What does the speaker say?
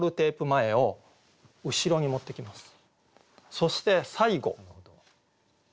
そして最後。